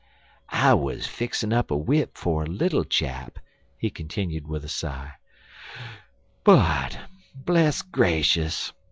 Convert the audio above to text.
"I wuz fixin' up a w'ip fer a little chap," he continued, with a sigh, "but, bless grashus!